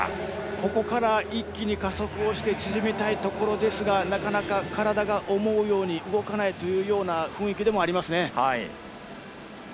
ここから一気に加速して縮めたいところですがなかなか体が思うように動かないというような雰囲気でもありますね。